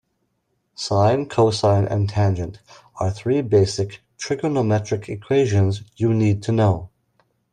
Sine, cosine and tangent are three basic trigonometric equations you'll need to know.